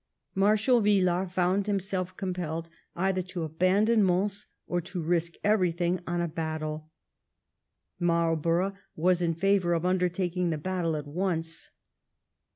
Marshal Villars found himself compelled either to abandon Mons or to risk every thing on a battle. Marlborough was in favour of undertaking the battle at once.